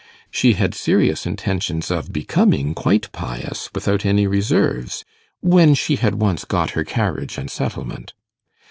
She had serious intentions of becoming quite pious without any reserves when she had once got her carriage and settlement.